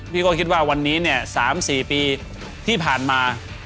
พี่ก็คิดว่าวันนี้เนี่ย๓๔ปีที่ผ่านมา